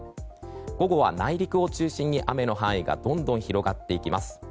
午後は内陸を中心に雨の範囲がどんどん広がっていきます。